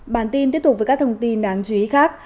bản tin tiếp tục với các thông tin đáng chú ý khác